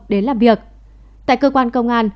đến làm việc tại cơ quan công an